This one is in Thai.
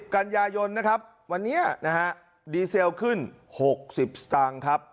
กันยายนนะครับวันนี้นะฮะดีเซลขึ้น๖๐สตางค์ครับ